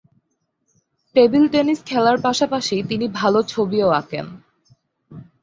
Table tennis খেলার পাশাপাশি তিনি ভালো ছবিও আঁকেন।